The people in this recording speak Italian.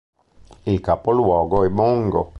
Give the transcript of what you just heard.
Il capoluogo è Mongo.